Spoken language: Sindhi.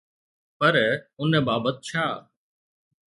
پر ان بابت ڇا؟